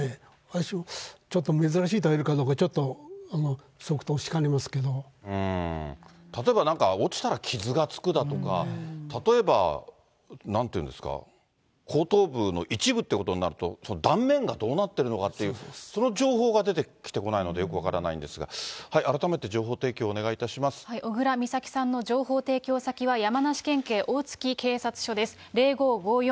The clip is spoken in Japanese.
私、ちょっと珍しいと言えるかどうか、例えばなんか、落ちたら傷がつくだとか、例えば、なんていうんですか、後頭部の一部っていうことになると、断面がどうなってるのかって、その情報が出てきてこないので、よく分からないのですが、改めて、小倉美咲さんの情報提供先は、山梨県警大月警察署です。